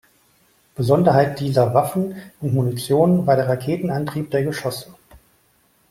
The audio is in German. Besonderheit dieser Waffen und Munition war der Raketenantrieb der Geschosse.